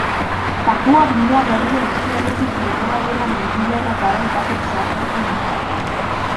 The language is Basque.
Papua Ginea Berria ekialdetik mendebaldera mendilerro garai batek zeharkatzen du.